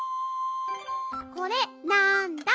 これなんだ？